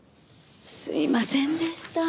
すいませんでした。